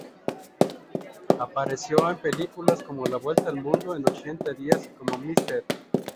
Apareció en películas como "La vuelta al mundo en ochenta días" y como Mrs.